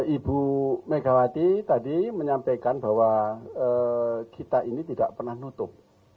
ibu megawati tadi menyampaikan bahwa kita ini tidak pernah nutup